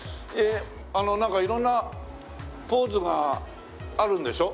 あのなんか色んなポーズがあるんでしょ？